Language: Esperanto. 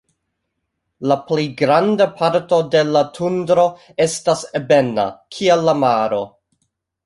La pli granda parto de la tundro estas ebena kiel la maro.